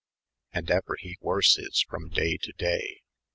And eu^ he warse is from day to day.